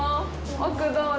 奥どうぞ。